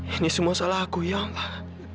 ini semua salah aku ya allah